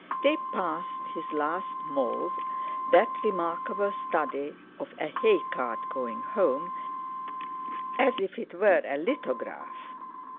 They passed his last Mauve, that remarkable study of a "Hay cart going Home," as if it were a lithograph.